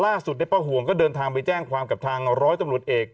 ล่าสุดเนี่ยป่าห่วงก็เดินทางไปแจ้งความกับทางร้อยตำภูมิธรุดเอก